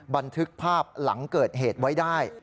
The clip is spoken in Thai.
บันทึกภาพหลังเกิดเหตุไว้ได้